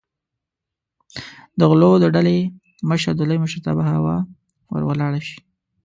د غلو د ډلې مشر د لوی مشرتابه هوا ور ولاړه شي.